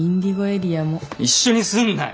一緒にすんなよ。